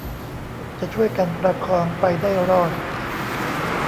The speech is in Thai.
จะช่วยกันประคองไปได้รอด